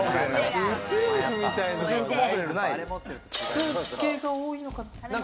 スーツ系が多いのかな。